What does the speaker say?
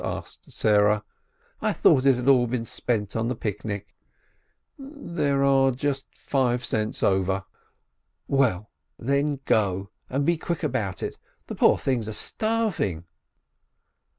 asked Sarah. "I thought it had all been spent on the picnic/* "There are just five cents over." "Well, then go and be quick about it. The poor things are starving."